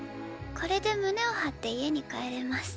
これで胸を張って家に帰れます。